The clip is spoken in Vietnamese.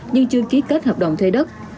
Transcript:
nhưng chưa ký kết hợp đồng thuê đất